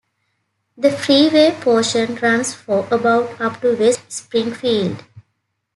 The freeway portion runs for about up to West Springfield.